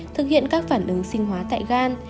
thực hiện các phản ứng sinh hóa tại gan